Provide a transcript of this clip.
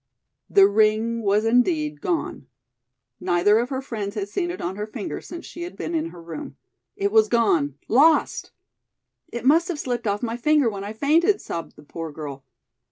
The ring was indeed gone. Neither of her friends had seen it on her finger since she had been in her room. It was gone lost! "It must have slipped off my finger when I fainted," sobbed the poor girl.